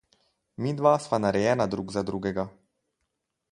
Midva sva narejena drug za drugega!